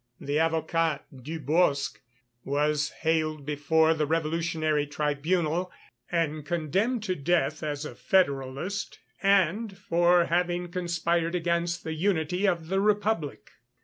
The avocat Dubosc was haled before the Revolutionary Tribunal and condemned to death as a Federalist and for having conspired against the unity of the Republic.